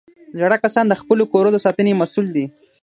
زاړه کسان د خپلو کورو د ساتنې مسؤل دي